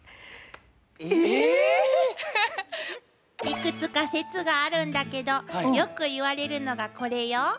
いくつか説があるんだけどよく言われるのがこれよ。